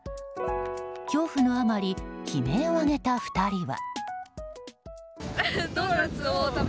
恐怖のあまり悲鳴を上げた２人は。